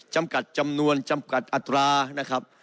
จำกัดจำนวนจำกัดอัตรานะครับ